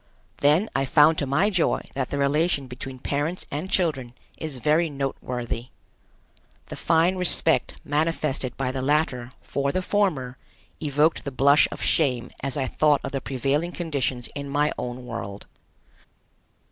Then I found to my joy that the relation between parents and children is very noteworthy. The fine respect manifested by the latter for the former evoked the blush of shame as I thought of the prevailing conditions in my own world.